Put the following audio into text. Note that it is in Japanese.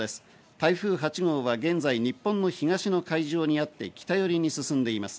台風８号は現在、日本の東の海上にあって、北寄りに進んでいます。